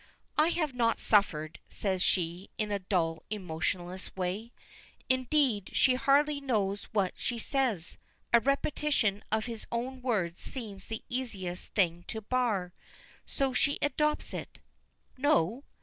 "I have not suffered," says she, in a dull, emotionless way. Indeed, she hardly knows what she says, a repetition of his own words seems the easiest thing to bar, so she adopts it. "No?"